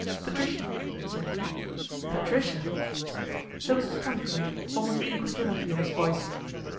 " Patricia," she said. " Patricia !" There was astonishment, almost incredulity in his voice.